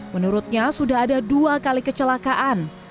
menurutnya sudah ada dua kali kecelakaan